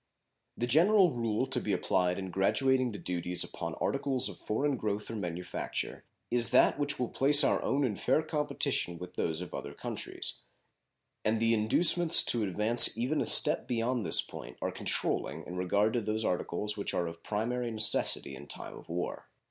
The general rule to be applied in graduating the duties upon articles of foreign growth or manufacture is that which will place our own in fair competition with those of other countries; and the inducements to advance even a step beyond this point are controlling in regard to those articles which are of primary necessity in time of war.